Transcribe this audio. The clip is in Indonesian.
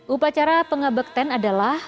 upacara pengebek ten adalah